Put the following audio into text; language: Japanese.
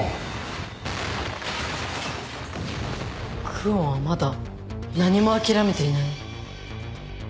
久遠はまだ何も諦めていない。